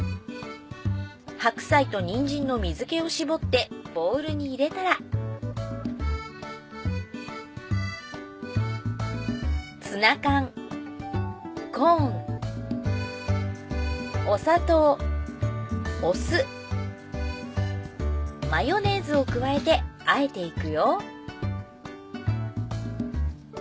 白菜とにんじんの水気を絞ってボウルに入れたらツナ缶コーンお砂糖お酢マヨネーズを加えて和えていくよ